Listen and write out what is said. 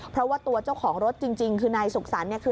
เพราะว่าตัวเจ้าของรถจริงคือนายสุขสันต์